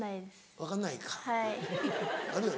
分かんないです。